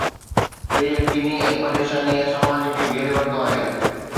بي يقيني ۽ پريشانيءَ سماج کي گهيري ورتو آهي.